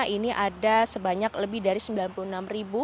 ini ada sebanyak lebih dari sembilan puluh enam ribu